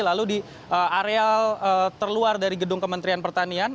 lalu di areal terluar dari gedung kementerian pertanian